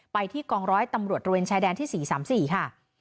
ไปที่กองร้อยตำรวจระเวนชายแดนที่๔๓๔ค่ะ